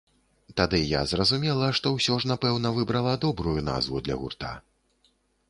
Тады я зразумела, што ўсё ж напэўна выбрала добрую назву для гурта.